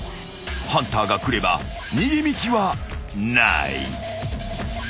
［ハンターが来れば逃げ道はない］